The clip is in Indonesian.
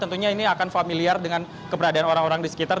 tentunya ini akan familiar dengan keberadaan orang orang di sekitar